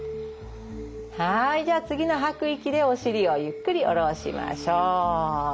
はいじゃあ次の吐く息でお尻をゆっくり下ろしましょう。